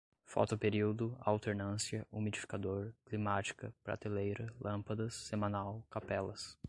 fotoperíodo, alternância, umidificador, climática, prateleira, lâmpadas, semanal, capelas